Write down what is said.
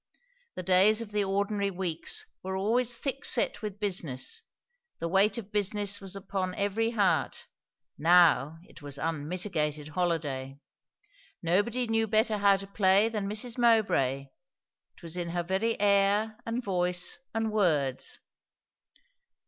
The days of the ordinary weeks were always thick set with business; the weight of business was upon every heart; now it was unmitigated holiday. Nobody knew better how to play than Mrs. Mowbray; it was in her very air and voice and words.